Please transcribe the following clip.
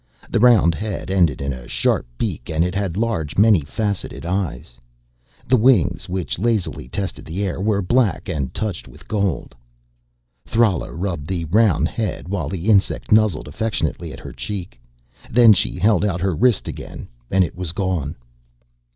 The round head ended in a sharp beak and it had large, many faceted eyes. The wings, which lazily tested the air, were black and touched with gold. Thrala rubbed the round head while the insect nuzzled affectionately at her cheek. Then she held out her wrist again and it was gone.